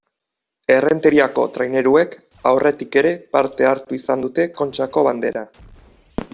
Errenteriako traineruek aurretik ere parte hartu izan dute Kontxako Banderan.